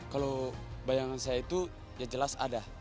kalau bayangan saya itu ya jelas ada